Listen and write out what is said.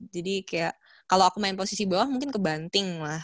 jadi kayak kalo aku main posisi bawah mungkin kebanting lah